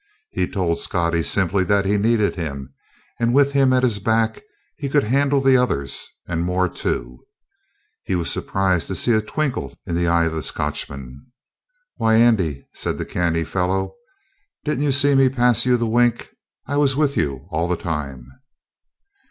He told Scottie simply that he needed him, and with him at his back he could handle the others, and more, too. He was surprised to see a twinkle in the eye of the Scotchman. "Why, Andy," said the canny fellow, "didn't you see me pass you the wink? I was with you all the time!"